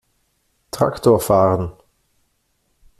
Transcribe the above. Traktor fahren!